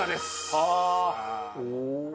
ああ！